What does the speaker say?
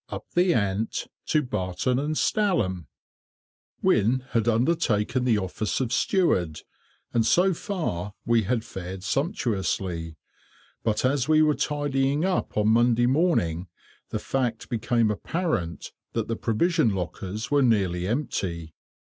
UP THE ANT, TO BARTON AND STALHAM. [Picture: Decorative drop capital] Wynne had undertaken the office of steward, and so far we had fared sumptuously, but as we were tidying up on Monday morning, the fact became apparent that the provision lockers were nearly empty.